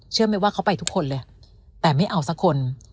เชื่อไหมว่าเขาไปทุกคนเลยแต่ไม่เอาสักคน